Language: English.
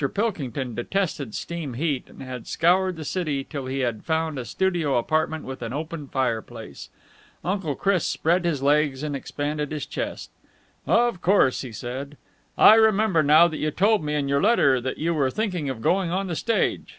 Pilkington detested steam heat and had scoured the city till he had found a studio apartment with an open fireplace. Uncle Chris spread his legs and expanded his chest. "Of course," he said. "I remember now that you told me in your letter that you were thinking of going on the stage.